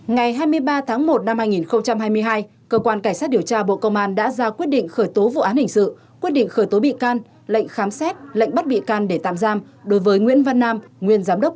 ngày hai mươi ba tháng một năm hai nghìn hai mươi hai cơ quan cảnh sát điều tra bộ công an đã ra quyết định khởi tố vụ án hình sự quyết định khởi tố bị can lệnh khám xét lệnh bắt bị can để tạm giam đối với nguyễn văn nam nguyên giám đốc